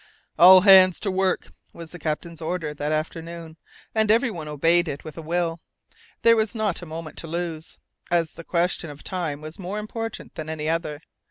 "All hands to work," was the captain's order that afternoon, and every one obeyed it with a will. There was not a moment to lose, as the question of time was more important than any other.